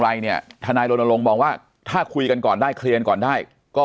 อะไรเนี่ยทนายรณรงค์มองว่าถ้าคุยกันก่อนได้เคลียร์ก่อนได้ก็